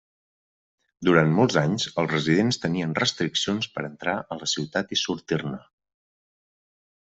Durant molts anys els residents tenien restriccions per entrar a la ciutat i sortir-ne.